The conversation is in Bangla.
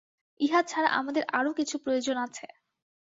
ইহা ছাড়া আমাদের আরও কিছু প্রয়োজন আছে।